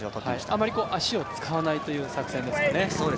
あまり足を使わないという作戦ですかね。